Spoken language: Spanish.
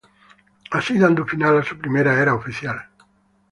Así dando final a su primera era oficial.